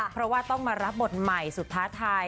เพราะว่าต้องมารับบทใหม่สุดท้าทาย